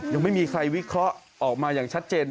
ยังไม่มีใครวิเคราะห์ออกมาอย่างชัดเจน